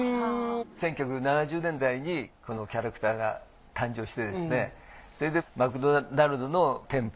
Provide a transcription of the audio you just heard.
１９７０年代にキャラクターが誕生してですねマクドナルドの店舗